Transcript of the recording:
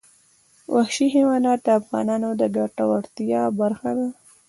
وحشي حیوانات د افغانانو د ګټورتیا برخه ده.